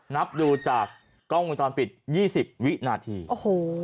นับดูจากกล้องวงจรปิดยี่สิบวินาทีโอ้โห